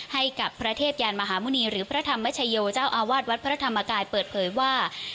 ให้กับพระเทพยานมหาหมุณีหรือพระธรรมชโยเจ้าอาวาสวัดพระธรรมกายเปิดเผยว่า